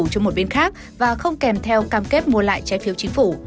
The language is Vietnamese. cho một bên khác và không kèm theo cam kết mua lại trái phiếu chính phủ